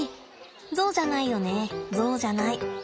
ゾウじゃないよねゾウじゃない。